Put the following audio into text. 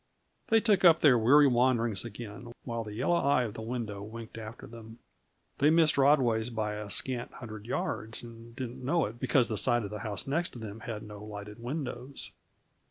They took up their weary wanderings again, while the yellow eye of the window winked after them. They missed Rodway's by a scant hundred yards, and didn't know it, because the side of the house next them had no lighted windows.